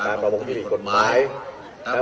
การประวมควบคุมกฏหมายปัญหาหลายด้าน